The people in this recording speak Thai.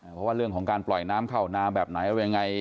เพราะว่าเรื่องของการปล่อยน้ำเข้านาแบบไหนอะไรยังไง